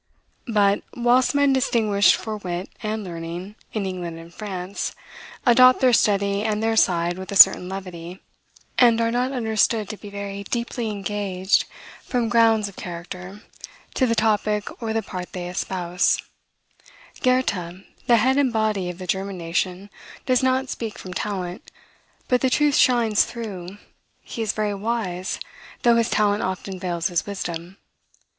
But, whilst men distinguished for wit and learning, in England and France, adopt their study and their side with a certain levity, and are not understood to be very deeply engaged, from grounds of character, to the topic or the part they espouse, Goethe, the head and body of the German nation, does not speak from talent, but the truth shines through: he is very wise, though his talent often veils his wisdom.